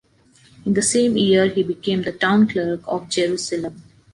In the same year he became the town clerk of Jerusalem.